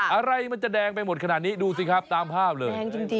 อะไรมันจะแดงไปหมดขนาดนี้ดูสิครับตามภาพเลย